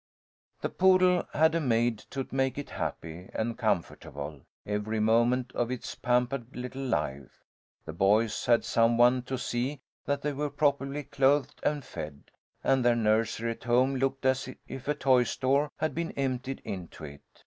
The poodle had a maid to make it happy and comfortable, every moment of its pampered little life. The boys had some one to see that they were properly clothed and fed, and their nursery at home looked as if a toy store had been emptied into it.